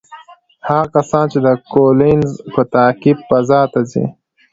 هغه کسان چې د کولینز په تعقیب فضا ته ځي،